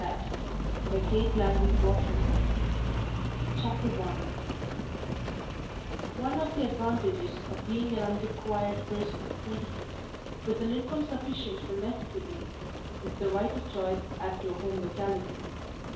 Post 8vo TO LUCY BOSHER JANNEY CHAPTER I One of the advantages of being an unrequired person of twenty six, with an income sufficient for necessities, is the right of choice as to a home locality.